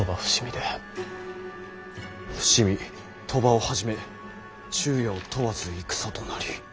「伏見鳥羽をはじめ昼夜を問わず戦となり」。